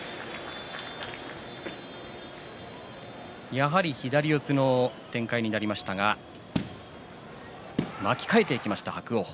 やはり左四つの展開になりましたが巻き替えていきました、伯桜鵬。